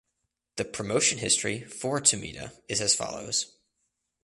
The promotion history for Tomita is as follows.